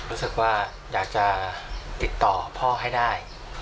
รู้สึกว่าอยากจะติดต่อพ่อให้ได้